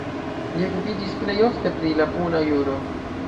Li okupiĝis plej ofte pri la puna juro.